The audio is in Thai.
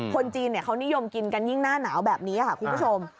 คนจีนเขานิยมกินกันยิ่งหน้าหนาวแบบนี้ค่ะคุณผู้ชม